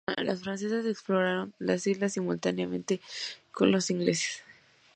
Los franceses exploraron las islas simultáneamente con los ingleses.